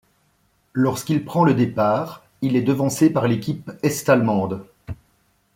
Lorsqu'il prend le départ, il est devancé par l'équipe est-allemande.